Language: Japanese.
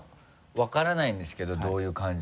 分からないんですけどどういう感じか。